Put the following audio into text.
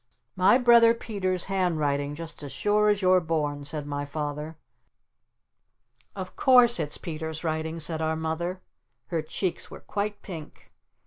"My brother Peter's handwriting just as sure as you're born!" said my Father. "Of course it's Peter's writing," said our Mother. Her cheeks were quite pink.